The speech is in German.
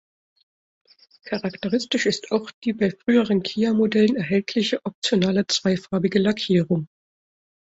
Charakteristisch ist auch die auch bei früheren Kia-Modellen erhältliche, optionale zweifarbige Lackierung.